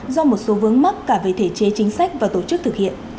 do một số vướng mắc cả về thể chế chính sách và tổ chức thực hiện